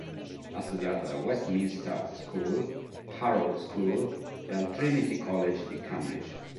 Ha studiato alla Westminster School, Harrow School e al Trinity College di Cambridge.